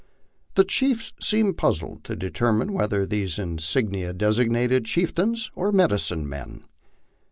The chiefs seemed puzzled to determine whether these insignia designated chieftains or medicine men.